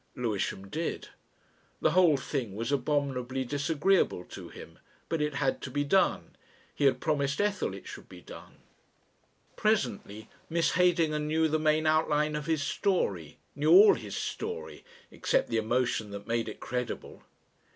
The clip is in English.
Lewisham did. The whole thing was abominably disagreeable to him, but it had to be done, he had promised Ethel it should be done. Presently Miss Heydinger knew the main outline of his story, knew all his story except, the emotion that made it credible.